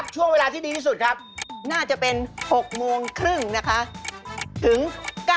เช้าหรือเย็นครับ